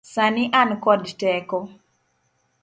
Sani an kod teko.